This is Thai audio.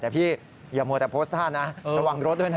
แต่พี่อย่ามัวแต่โพสต์ท่านะระวังรถด้วยนะ